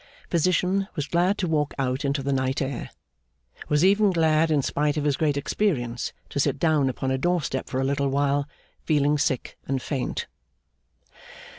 Physician was glad to walk out into the night air was even glad, in spite of his great experience, to sit down upon a door step for a little while: feeling sick and faint.